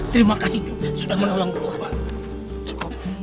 terima kasih tuhan sudah menolongku